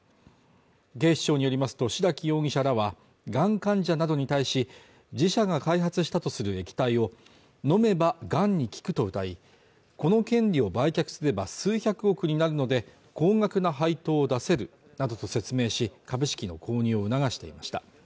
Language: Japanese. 警視庁によりますと白木容疑者らは、がん患者などに対し、自社が開発したとする液体を飲めば、がんに効くとうたい、この権利を売却すれば数百億になるので、高額な配当を出せるなどと説明し、株式の購入を促していました。